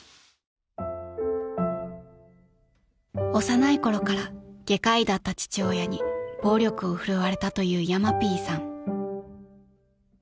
［幼いころから外科医だった父親に暴力をふるわれたというヤマピーさん］